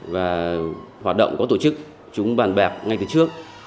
và hoạt động có tổ chức chúng bàn bạc ngay từ trước